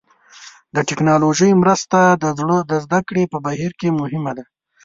د ټکنالوژۍ مرسته د زده کړې په بهیر کې مهمه ده.